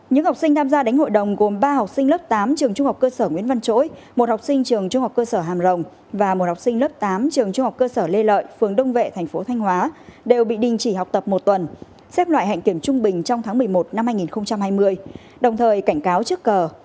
những học sinh tham gia đánh hội đồng gồm ba học sinh lớp tám trường trung học cơ sở nguyễn văn chỗi một học sinh trường trung học cơ sở hàm rồng và một học sinh lớp tám trường trung học cơ sở lê lợi phường đông vệ thành phố thanh hóa đều bị đình chỉ học tập một tuần xếp loại hạnh kiểm trung bình trong tháng một mươi một năm hai nghìn hai mươi đồng thời cảnh cáo chiếc cờ